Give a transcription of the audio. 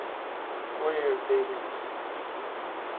coerdeiros